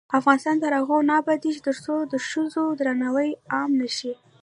افغانستان تر هغو نه ابادیږي، ترڅو د ښوونکي درناوی عام نشي.